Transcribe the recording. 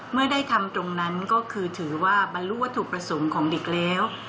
เมื่อได้ทำตรงนั้นก็คือถือว่าบรรลุวัตถุประสงค์ของเด็กแล้ว